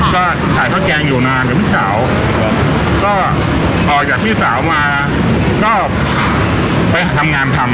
ก็ขายข้าวแกงอยู่นานกับพี่สาวก็ออกจากพี่สาวมาก็ไปทำงานทำ